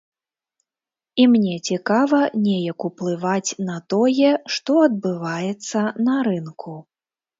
І мне цікава неяк уплываць на тое, што адбываецца на рынку.